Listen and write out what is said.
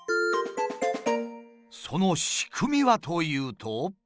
その仕組みはというと。